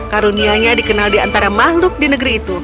karunianya dikenal di antara makhluk di negeri itu